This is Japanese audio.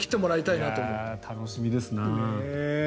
楽しみですな。